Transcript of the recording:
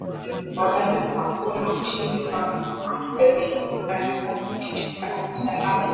Wakati hakuna ushahidi wa kuaminika wa tishio la usalama